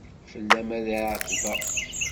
Fell-am ay εetbeɣ.